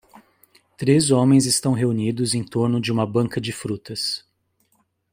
Três homens estão reunidos em torno de uma banca de frutas.